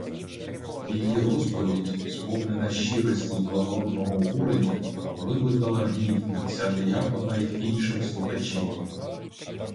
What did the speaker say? Її розповідь, сповнена щирості й благородного обурення, викликала гнів отця диякона й інших слухачів.